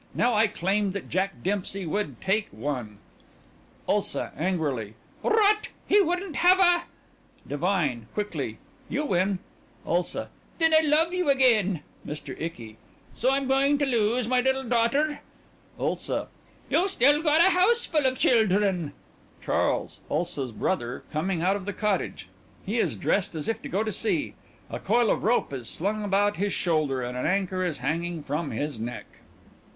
Now I claimed that Jack Dempsey would take one ULSA: (Angrily) Rot! He wouldn't have a DIVINE: (Quickly) You win. ULSA: Then I love you again. MR. ICKY: So I'm going to lose my little daughter... ULSA: You've still got a houseful of children. (CHARLES, ULSA'S _brother, coming out of the cottage. He is dressed as if to go to sea; a coil of rope is slung about his shoulder and an anchor is hanging from his neck.